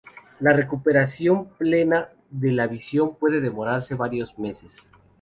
La recuperación plena de la visión puede demorarse varios meses.